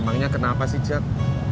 emangnya kenapa sih jad